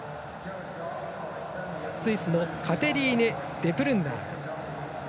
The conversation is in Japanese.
スイスのカテリーネ・デプルンナー。